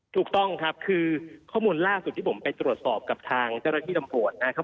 ถูกต้องครับคือข้อมูลล่าสุดที่ผมไปตรวจสอบกับทางเจ้าหน้าที่ตำรวจนะครับ